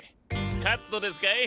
カットですかい？